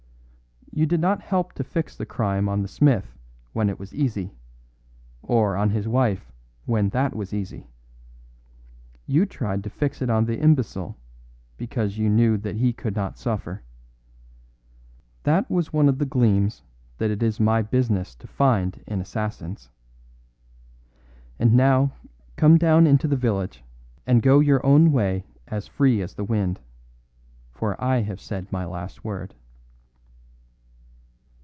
You did not help to fix the crime on the smith when it was easy; or on his wife, when that was easy. You tried to fix it on the imbecile because you knew that he could not suffer. That was one of the gleams that it is my business to find in assassins. And now come down into the village, and go your own way as free as the wind; for I have said my last word."